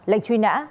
lệnh truy nã